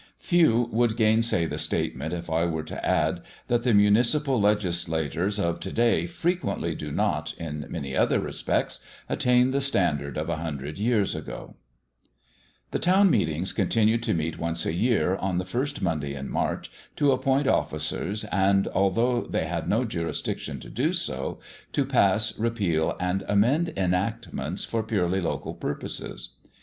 Few would gainsay the statement, if I were to add that the municipal legislators of to day frequently do not, in many other respects, attain the standard of a hundred years ago. [Illustration: PIONEER STAGE COACH. The Weller Line from Toronto East] The town meetings continued to meet once a year on the first Monday in March, to appoint officers, and, although they had no jurisdiction to do so, to pass, repeal, and amend enactments for purely local purposes.